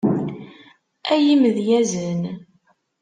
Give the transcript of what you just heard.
Ay imedyazen.